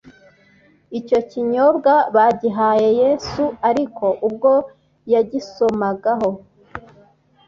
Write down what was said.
icyo kinyobwa bagihaye yesu; ariko ubwo yagisomagaho,